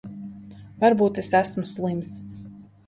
Varbūt es esmu slims.